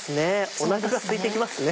おなかがすいてきますね。